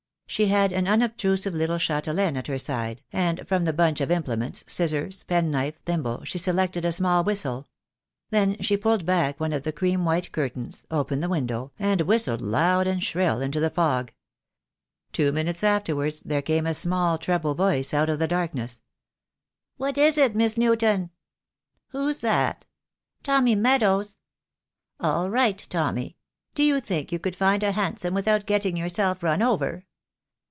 She had an unobtrusive little chatelaine at her side, and from the bunch of implements, scissors, penknife, thimble, she selected a small whistle. Then she pulled THE DAY WILL COME. 2J $ back one of the cream white curtains, opened the window, and whistled loud and shrill into the fog. Two minutes afterwards there came a small treble voice out of the darkness. "What is it, Miss Newton?" "Who's that?" "Tommy Meadows." "All right, Tommy. Do you think you could find a hansom without getting yourself run over?"